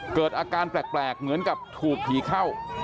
เกิดอาการแปลกเหมือนกับถูกผีเข้า